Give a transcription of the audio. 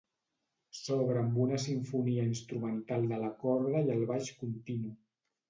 S’obre amb una simfonia instrumental de la corda i el baix continu.